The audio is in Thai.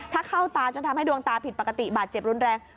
ถ้าเข้าตาจนทำให้ดวงตาผิดปกติบาดเจ็บรุนแรง